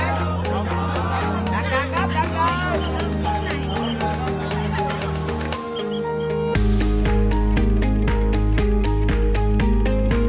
รับทราบรับรับรับ